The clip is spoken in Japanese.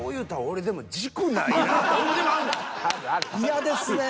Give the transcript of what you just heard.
嫌ですね。